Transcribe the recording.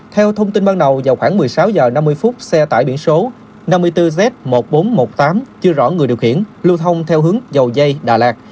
theo thông tin ban đầu vào khoảng một mươi sáu h năm mươi xe tải biển số năm mươi bốn z một nghìn bốn trăm một mươi tám chưa rõ người điều khiển lưu thông theo hướng dầu dây đà lạt